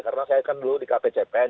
karena saya kan dulu di kpcpn